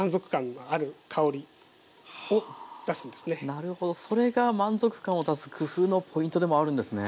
なるほどそれが満足感を出す工夫のポイントでもあるんですね。